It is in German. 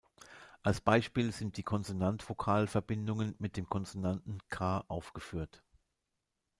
Als Beispiel sind die Konsonant-Vokal-Verbindungen mit dem Konsonanten "k" aufgeführt.